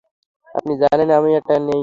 আপনি জানেন যে আমি এটা নেইনি!